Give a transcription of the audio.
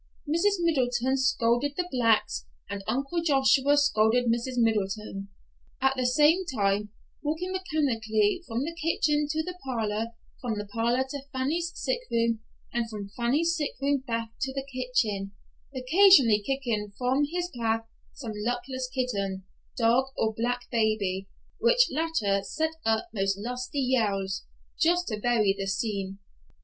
Mrs. Middleton scolded the blacks, and Uncle Joshua scolded Mrs. Middleton, at the same time walking mechanically from the kitchen to the parlor, from the parlor to Fanny's sick room and from Fanny's sick room back to the kitchen, occasionally kicking from his path some luckless kitten, dog or black baby, which latter set up most lusty yells, just to vary the scene.